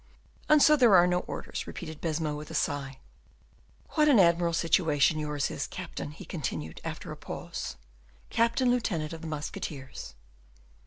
"And so there are no orders," repeated Baisemeaux with a sigh. "What an admirable situation yours is, captain," he continued, after a pause; "captain lieutenant of the musketeers."